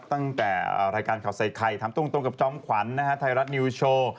ตั้งแต่รายการข้าวใส่ไข่ทำตรงกับจ้อมขวัญไทยละทนิวโชว์